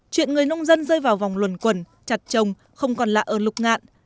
chuyện người nông dân rơi vào vòng luồn quần chặt trồng không còn lạ ở lục ngạn